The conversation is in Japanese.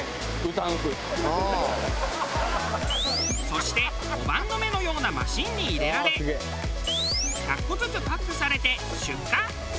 そして碁盤の目のようなマシンに入れられ１００個ずつパックされて出荷。